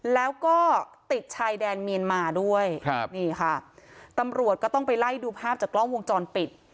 แล้วก็ติดชายแดนเมียนมาด้วยครับนี่ค่ะตำรวจก็ต้องไปไล่ดูภาพจากกล้องวงจรปิด